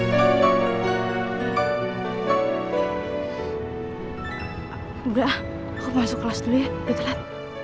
engga aku masuk kelas dulu ya udah telat